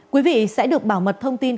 quý vị sẽ được bảo mật thông tin